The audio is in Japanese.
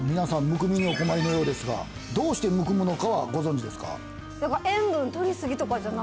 むくみにお困りのようですがどうしてむくむのかはご存じですか？